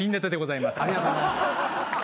ありがとうございます。